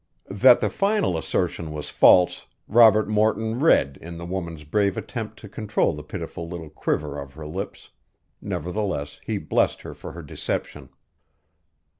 That the final assertion was false Robert Morton read in the woman's brave attempt to control the pitiful little quiver of her lips; nevertheless he blessed her for her deception.